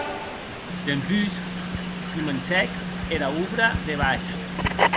Dempús comencèc era òbra de baish.